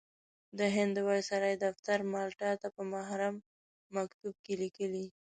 د هند د وایسرا دفتر مالټا ته په محرم مکتوب کې لیکلي.